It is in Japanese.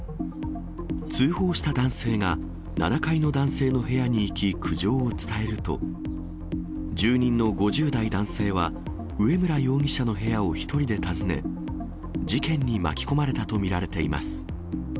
通報した男性が７階の男性の部屋に行き、苦情を伝えると、住人の５０代男性は上村容疑者の部屋を１人で訪ね、事件に巻き込まれたと見られています。